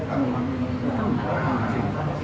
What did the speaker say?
itu enggak mas limrah